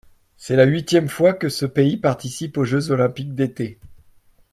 C'est la huitième fois que ce pays participe aux Jeux olympiques d'été.